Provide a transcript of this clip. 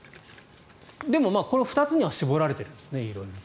でも、この２つには絞られているんですね。